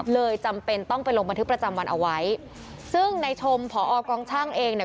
จำเป็นต้องไปลงบันทึกประจำวันเอาไว้ซึ่งในชมผอกองช่างเองเนี่ย